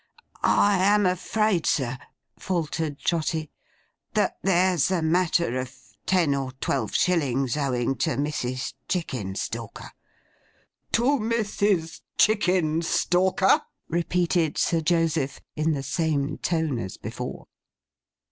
'I am afraid, sir,' faltered Trotty, 'that there's a matter of ten or twelve shillings owing to Mrs. Chickenstalker.' 'To Mrs. Chickenstalker!' repeated Sir Joseph, in the same tone as before.